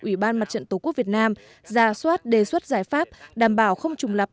ủy ban mặt trận tổ quốc việt nam ra soát đề xuất giải pháp đảm bảo không trùng lập